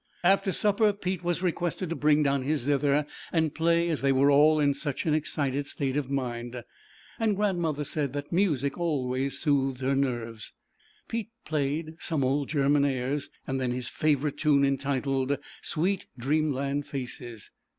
After supper, Pete was requested to bring down his zither and play as they were all in such an excited state of mind, and Grandmother said that music always soothed her nerves. Pete played some old German airs and then his favorite tune entitled, " Sweet Dreamland Faces."